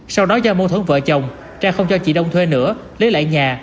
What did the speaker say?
sau đó do mâu thuẫn vợ chồng trang không cho chị đông thuê nữa lấy lại nhà